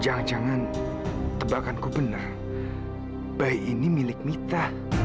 jangan jangan tebakanku benar bayi ini milik mita